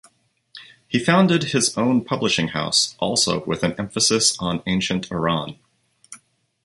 He founded his own publishing house, also with an emphasis on ancient Iran.